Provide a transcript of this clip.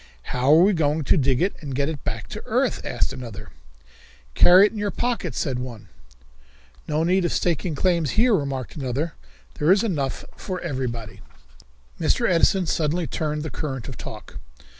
"How are we going to dig it and get it back to earth?" asked another. "Carry it in your pockets," said one. "No need of staking claims here," remarked another. "There is enough for everybody." Mr. Edison suddenly turned the current of talk.